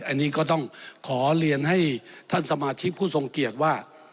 อันนี้ก็ต้องขอเรียนให้ท่านสมาชิกผู้ทรงเกียจว่า